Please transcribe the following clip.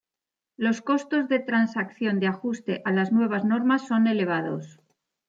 Los costos de transacción de ajuste a las nuevas normas son elevados.